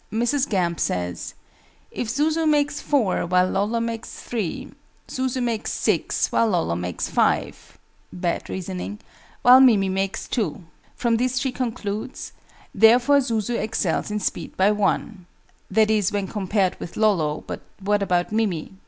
MRS. GAMP says "if Zuzu makes 4 while Lolo makes 3, Zuzu makes 6 while Lolo makes 5 (bad reasoning), while Mimi makes 2." From this she concludes "therefore Zuzu excels in speed by 1" (i.e. when compared with Lolo; but what about Mimi?).